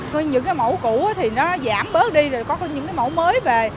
coi những cái mẫu cũ thì nó giảm bớt đi rồi có những cái mẫu mới về